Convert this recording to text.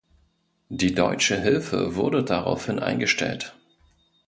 Die deutsche Hilfe wurde daraufhin eingestellt.